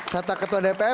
kata ketua dpr